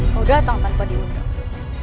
kau datang tanpa diundang